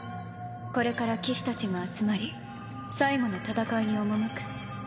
これから騎士たちが集まり最後の戦いに赴く。